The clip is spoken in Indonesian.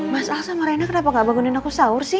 mas al sama reina kenapa ga bangunin aku sahur sih